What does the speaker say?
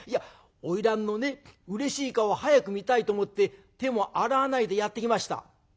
いや花魁のねうれしい顔を早く見たいと思って手も洗わないでやって来ました」。